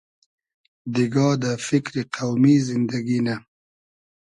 دیگا دۂ فیکری قۆمی زیندئگی نۂ